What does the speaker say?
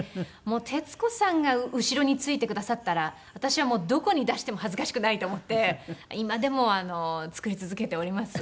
徹子さんが後ろについてくださったら私はどこに出しても恥ずかしくないと思って今でも作り続けております。